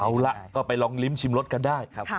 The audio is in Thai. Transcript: เอาล่ะก็ไปลองลิ้มชิมรสกันได้ครับ